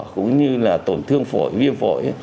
cũng như là tổn thương phổi viêm phổi